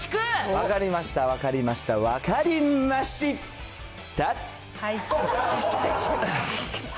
分かりました、分かりました、分かりました。